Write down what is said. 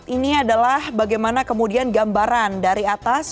ini adalah bagaimana kemudian gambaran dari atas